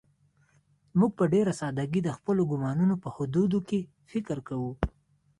موږ په ډېره سادهګۍ د خپلو ګومانونو په حدودو کې فکر کوو.